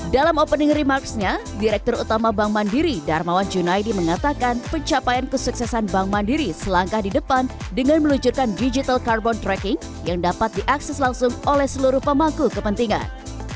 dalam opening remarksnya direktur utama bank mandiri darmawan junaidi mengatakan pencapaian kesuksesan bank mandiri selangkah di depan dengan meluncurkan digital carbon tracking yang dapat diakses langsung oleh seluruh pemangku kepentingan